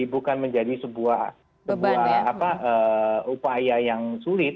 bukan menjadi sebuah upaya yang sulit